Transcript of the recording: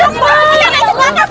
angkat ke mental